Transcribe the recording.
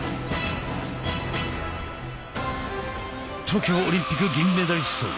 東京オリンピック銀メダリスト